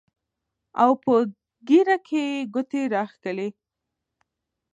او پۀ ږيره کښې يې ګوتې راښکلې